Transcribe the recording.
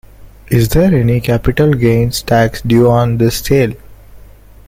Is there any Capital Gains tax due on this sale?